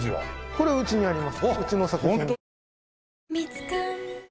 これうちにあります。